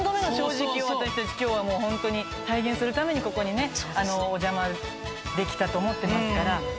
私たち今日はもうホントに体現するためにここにお邪魔できたと思ってますから。